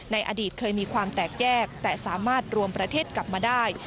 ในอดีตเคยมีความแตกแยกแต่สามารถรวมประเทศกลับมาได้